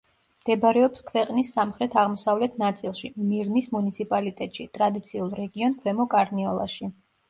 მდებარეობს ქვეყნის სამხრეთ-აღმოსავლეთ ნაწილში, მირნის მუნიციპალიტეტში, ტრადიციულ რეგიონ ქვემო კარნიოლაში.